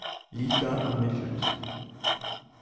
Liga ermittelt.